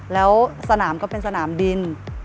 แล้วสนามก็เป็นสนามบิน